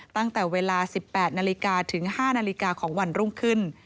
ตั้งแต่เวลา๑๘นาฬิกาถึง๕นาฬิกาของวันรุ่งขึ้น